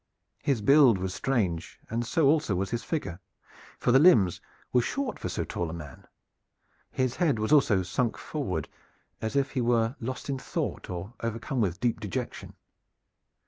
His build was strange, and so also was his figure, for the limbs were short for so tall a man. His head also was sunk forward as if he were lost in thought or overcome with deep dejection.